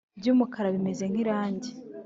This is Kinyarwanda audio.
by’umukara bimeze nk'irangi